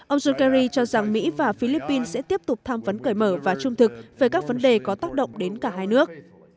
ông jong kerry cho rằng mỹ và philippines sẽ tiếp tục tham vấn cởi mở và trung thực về các vấn đề có tác động đến cả hai nước